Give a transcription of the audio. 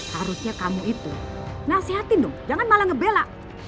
harusnya kamu itu nasihatin dong jangan malah ngebela